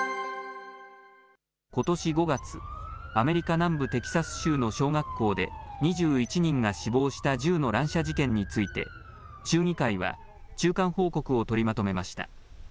ことし５月、アメリカ南部テキサス州の小学校で、２１人が死亡した銃の乱射事件について、州議会は中間報告を取りまとめました。